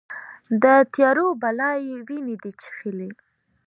د تیارو بلا یې وینې دي چیښلې